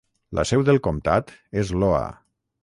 La seu del comtat és Loa.